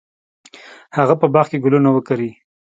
هغه په باغ کې ګلونه وکري.